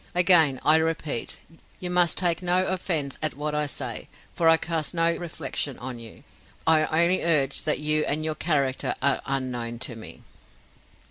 Again I repeat, you must take no offence at what I say, for I cast no reflection on you; I only urge that you and your character are unknown to me."